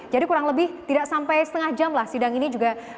jadi kurang lebih tidak sampai setengah jam lah sidang ini juga